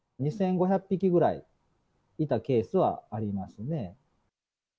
２５００匹ぐらいいたケースはありますね。